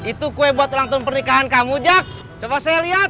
wah itu gue buat nonton pernikahan kamu jack coba saya lihat